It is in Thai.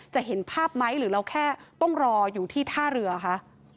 เห็นภาพไหมหรือเราแค่ต้องรออยู่ที่ท่าเรือคะ